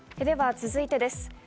では続いてです。